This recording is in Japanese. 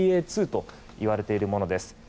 ＢＡ．２といわれているものです。